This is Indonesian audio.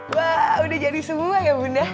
wah udah jadi semua ya bunda